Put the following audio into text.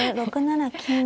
６七金。